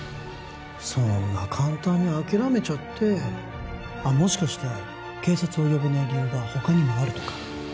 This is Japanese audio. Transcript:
そんな簡単に諦めちゃってあっもしかして警察を呼べない理由が他にもあるとか？